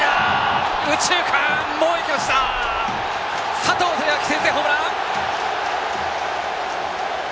佐藤輝明、先制ホームラン！